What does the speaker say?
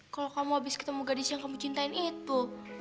kalau kamu habis ketemu gadis yang kamu cintain itu